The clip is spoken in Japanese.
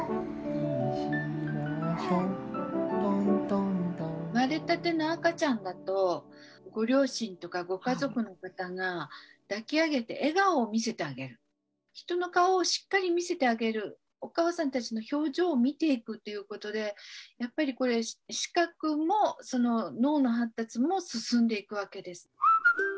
生まれたての赤ちゃんだとご両親とかご家族の方が抱き上げて笑顔を見せてあげる人の顔をしっかり見せてあげるお母さんたちの表情を見ていくということでやっぱりこれ視覚も脳の発達も進んでいくわけです。